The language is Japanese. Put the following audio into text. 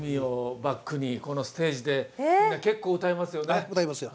はい歌いますよ。